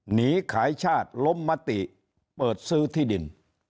หนีขายชาติล้มมติเปิดซื้อที่ดิน